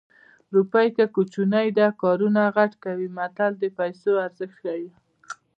روپۍ که کوچنۍ ده کارونه غټ کوي متل د پیسو ارزښت ښيي